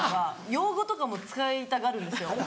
用語とかも使いたがるんですよ。